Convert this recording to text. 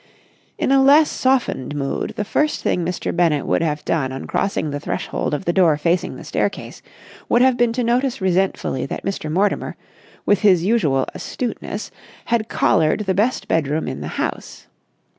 In a less softened mood, the first thing Mr. Bennett would have done on crossing the threshold of the door facing the staircase would have been to notice resentfully that Mr. Mortimer, with his usual astuteness, had collared the best bedroom in the house.